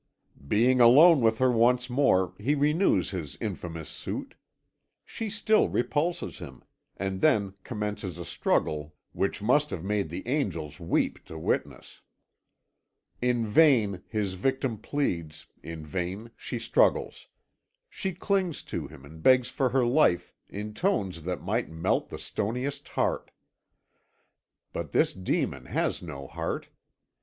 "Being alone with her once more, he renews his infamous suit. She still repulses him, and then commences a struggle which must have made the angels weep to witness. "In vain his victim pleads, in vain she struggles; she clings to him and begs for her life in tones that might melt the stoniest heart; but this demon has no heart.